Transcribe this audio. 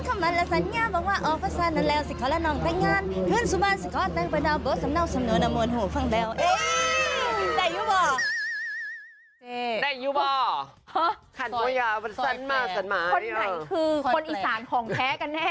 คนไหนคือคนอีสานของแท้กันแน่